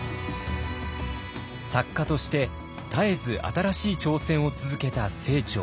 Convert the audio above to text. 作家として絶えず新しい挑戦を続けた清張。